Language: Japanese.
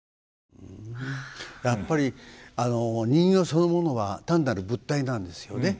やっぱり人形そのものは単なる物体なんですよね。